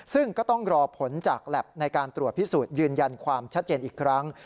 ซึ่งก็ต้องรอผลจากแล็บในการตรวจพิสูจน์ยืนยันความชัดเจนอีกครั้ง